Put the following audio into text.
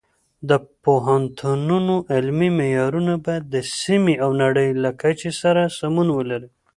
د پوهنتونونو علمي معیارونه باید د سیمې او نړۍ له کچې سره سمون ولري.